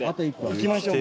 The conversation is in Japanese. いきましょう。